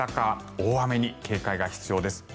大雨に警戒が必要です。